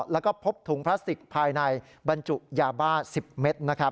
แล้วก็พบถุงพลาสติกภายในบรรจุยาบ้า๑๐เมตร